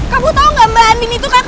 kamu tahu gak mbak andi itu kakak aku